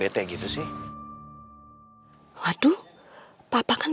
britney silahkan mengingat obtengah masa